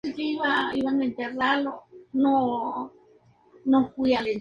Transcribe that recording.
Una vez retirado fue instructor y siguió ligado al ciclismo.